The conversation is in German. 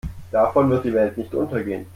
Davon wird die Welt nicht untergehen.